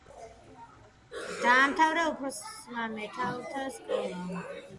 დაამთავრა უმცროს მეთაურთა სკოლა.